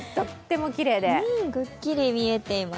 くっきり見えています。